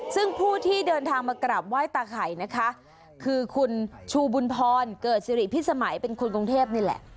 ซึ่งผู้ที่เดินทางมากราบไหว้ตาไข่นะคะคือคุณชูบุญพรเกิดสิริพิสมัยเป็นคนกรุงเทพนี่แหละ